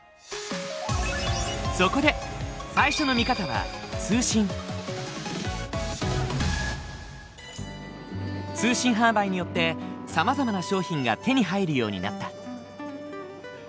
そこで最初の見方は通信販売によってさまざまな商品が手に入るようになった。